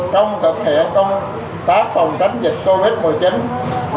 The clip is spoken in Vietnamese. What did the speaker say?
trong thực hiện công tác phòng chống dịch covid một mươi chín